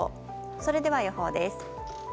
それでは予報です。